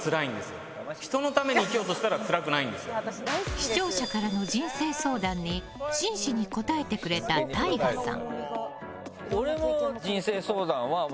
視聴者からの人生相談に真摯に答えてくれたＴＡＩＧＡさん。